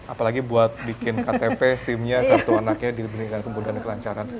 apalagi buat bikin ktp sim nya kartu anaknya dibandingkan kemudian kelancaran